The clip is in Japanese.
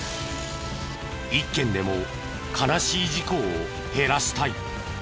１件でも悲しい事故を減らしたい。